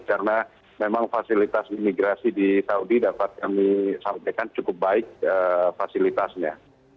karena memang fasilitas imigrasi di saudi dapat kami sampaikan cukup baik fasilitasnya